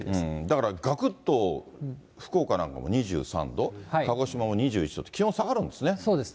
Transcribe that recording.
だからがくっと福岡なんかも２３度、鹿児島も２１度って、気そうです。